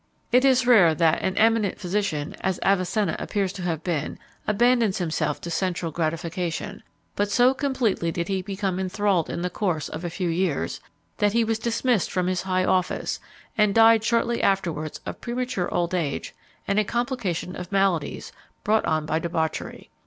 It is rare that an eminent physician as Avicenna appears to have been, abandons himself to sensual gratification; but so completely did he become enthralled in the course of a few years, that he was dismissed from his high office, and died shortly afterwards of premature old age and a complication of maladies, brought on by debauchery.